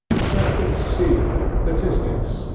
'SECTION C.—STATISTICS.